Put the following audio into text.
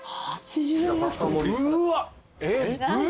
うわっ！